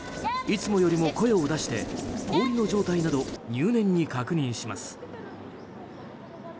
いつもより声を出して氷の状態など入念に確認します。